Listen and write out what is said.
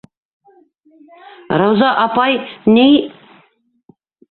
Рауза апай, ни...